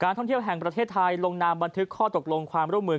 ท่องเที่ยวแห่งประเทศไทยลงนามบันทึกข้อตกลงความร่วมมือ